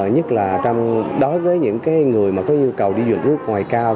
nhất là đối với những người mà có nhu cầu đi du lịch nước ngoài cao